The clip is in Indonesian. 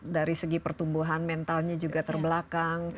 dari segi pertumbuhan mentalnya juga terbelakang